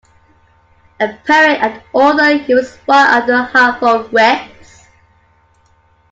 A poet and author, he was one of the Hartford Wits.